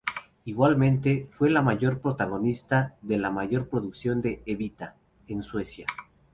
Igualmente, fue la protagonista de la mayor producción de ""Evita"" en Suecia.